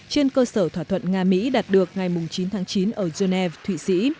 trên cơ sở thỏa thuận nga mỹ đạt được ngày chín tháng chín ở geneva thụy sĩ